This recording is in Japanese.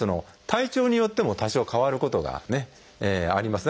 体調によっても多少変わることがあります。